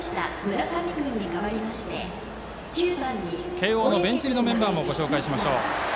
慶応のベンチ入りのメンバーもご紹介しましょう。